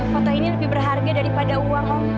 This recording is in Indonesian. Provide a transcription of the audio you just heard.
foto ini lebih berharga daripada uang